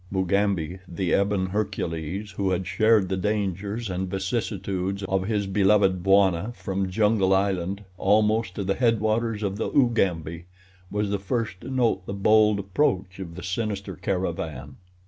Mugambi, the ebon Hercules, who had shared the dangers and vicissitudes of his beloved Bwana, from Jungle Island, almost to the headwaters of the Ugambi, was the first to note the bold approach of the sinister caravan.